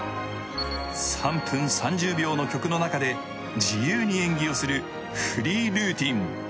３分３０秒の曲の中で自由に演技をするフリールーティン。